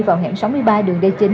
vào hẻm sáu mươi ba đường d chín